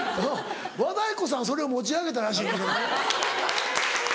和田アキ子さんはそれを持ち上げたらしいけどね。